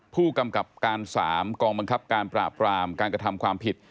ผู้กำกับการ๓กองบังคับการปราบรามการกระทำความผิด